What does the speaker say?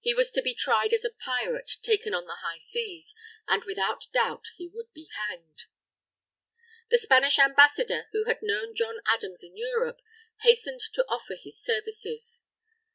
He was to be tried as a pirate taken on the high seas, and without doubt he would be hanged. The Spanish Ambassador, who had known John Adams in Europe, hastened to offer his services.